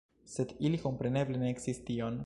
Sed ili kompreneble ne sciis tion.